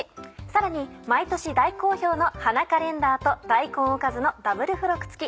さらに毎年大好評の花カレンダーと大根おかずのダブル付録付き。